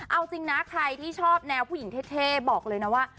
เอาจริงนะใครที่ชอบแนวผู้หญิงเท่บอกเลยนะว่า